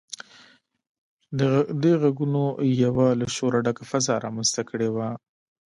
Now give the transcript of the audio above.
دې غږونو يوه له شوره ډکه فضا رامنځته کړې وه.